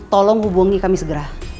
tolong hubungi kami segera